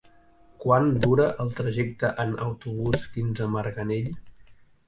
Quant dura el trajecte en autobús fins a Marganell?